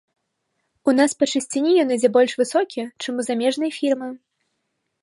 У нас па чысціні ён ідзе больш высокі, чым у замежнай фірмы.